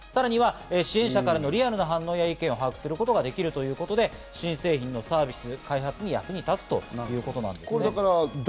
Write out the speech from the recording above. さらには支援者からのリアルな反応や意見を把握することができるということで新製品のサービス開発に役立つということなんですね。